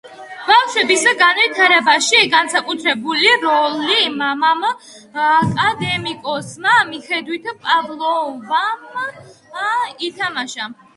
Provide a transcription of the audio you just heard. ბავშვების განვითარებაში განსაკუთრებული როლი მამამ, აკადემიკოსმა მიხეილ პავლოვმა ითამაშა.